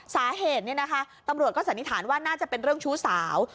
สาเหตุตำรวจก็สันนิษฐานว่าน่าจะเป็นเรื่องชู้สาว